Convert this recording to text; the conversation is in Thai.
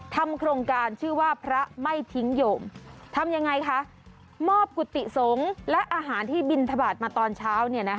ทำอย่างไรคะมอบกุฏิสงฆ์และอาหารที่บินทบาทมาตอนเช้า